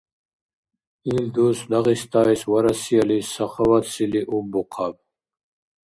Ил дус Дагъистайс ва Россиялис сахаватсили уббухъаб!